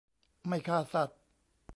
ไม่ฆ่าสัตว์